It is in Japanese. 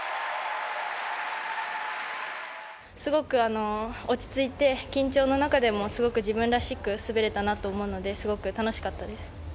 すごく落ち着いて、緊張の中でもすごく自分らしく滑れたなと思うので、すごく楽しかったです。